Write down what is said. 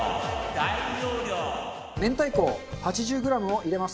明太子８０グラムを入れます。